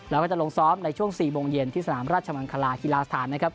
แล้วก็จะลงซ้อมในช่วง๔โมงเย็นที่สนามราชมังคลาฮิลาสถานนะครับ